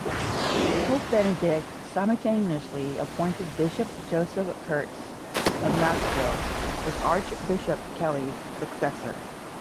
Pope Benedict simultaneously appointed Bishop Joseph Kurtz of Knoxville, as Archbishop Kelly's successor.